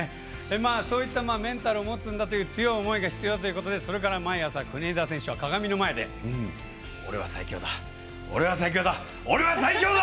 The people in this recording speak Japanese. そういったメンタルを持つんだという強い思いが必要だということでそれから毎朝国枝選手は鏡の前で「オレは最強だ！」「オレは最強だ！」